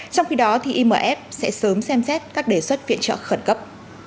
trong khi đó imf sẽ sớm xem xét các đề xuất viện trợ khẩn cấp